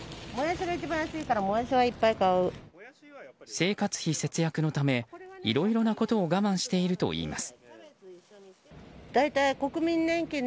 生活費節約のためいろいろなことを我慢しているといいます。